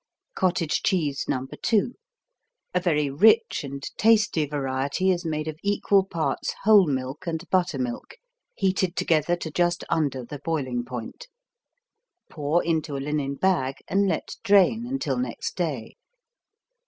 Cottage Cheese No. 2 A very rich and tasty variety is made of equal parts whole milk and buttermilk heated together to just under the boiling point. Pour into a linen bag and let drain until next day.